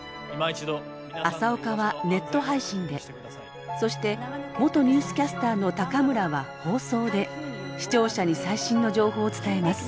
朝岡はネット配信でそして元ニュースキャスターの高村は放送で視聴者に最新の情報を伝えます。